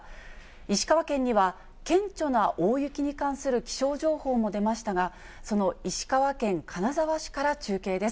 石川県には顕著な大雪に関する気象情報も出ましたが、その石川県金沢市から中継です。